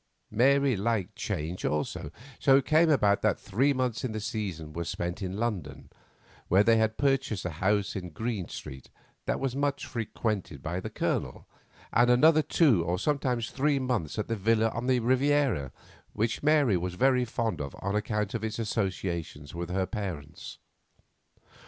Mary liked change also, so it came about that three months in the season were spent in London, where they had purchased a house in Green Street that was much frequented by the Colonel, and another two, or sometimes three, months at the villa on the Riviera, which Mary was very fond of on account of its associations with her parents.